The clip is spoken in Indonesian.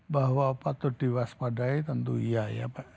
bahwa patut diwaspadai tentu iya ya pak